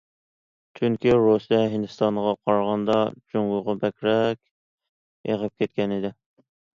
چۈنكى رۇسىيە، ھىندىستانغا قارىغاندا جۇڭگوغا بەكرەك ئېغىپ كەتكەن ئىدى.